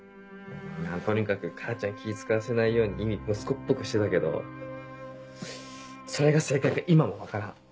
とにかく母ちゃんに気ぃ使わせないようにいい息子っぽくしてたけどそれが正解か今も分からん。